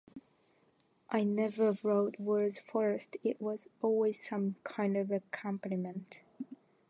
I never wrote words first, it was always some kind of accompaniment.